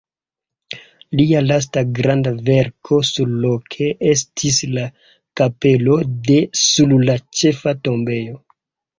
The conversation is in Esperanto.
Lia lasta granda verko surloke estis la kapelo de sur la ĉefa tombejo.